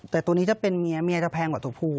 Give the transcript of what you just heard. แต่ตัวนี้จะเป็นเมียเมียจะแพงกว่าตัวภู